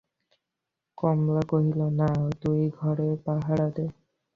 কমলা কহিল, না, তুই ঘরে পাহারা দে।